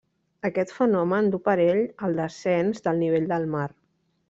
Aquest fenomen duu parell el descens del nivell del mar.